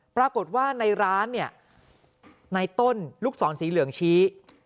ปรากฏว่าในร้านเนี่ยในต้นลูกศรสีเหลืองชี้